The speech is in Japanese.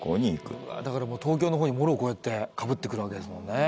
だから東京の方にもろこうやってかぶってくるわけですもんね。